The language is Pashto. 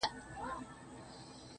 او تر سپين لاس يې يو تور ساعت راتاو دی.